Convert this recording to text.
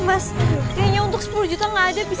mas kayaknya untuk sepuluh juta gak ada bisa